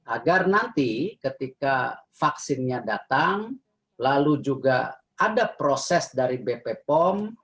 agar nanti ketika vaksinnya datang lalu juga ada proses dari bp pom